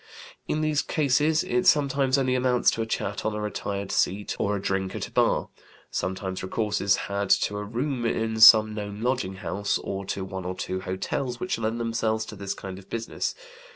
In these cases it sometimes only amounts to a chat on a retired seat or a drink at a bar; sometimes recourse is had to a room in some known lodging house, or to one or two hotels which lend themselves to this kind of business.